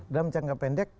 dalam jangka pendek